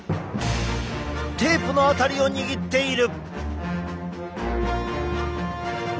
テープの辺りを握っている。